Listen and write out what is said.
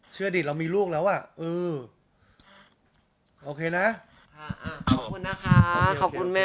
อดีตเรามีลูกแล้วอ่ะเออโอเคนะค่ะขอบคุณนะคะขอบคุณแม่